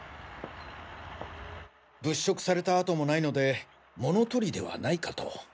物色された跡もないので物取りではないかと。